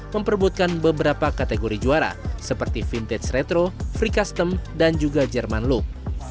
memperbutkan beberapa kategori juara seperti vintage retro free custom dan juga jerman look